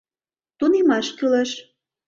— Тунемаш кӱлеш.